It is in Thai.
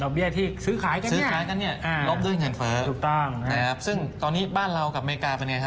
ดอกเบี้ยที่ซื้อขายกันเนี่ยซื้อขายกันเนี่ยลบด้วยเงินเฟ้อ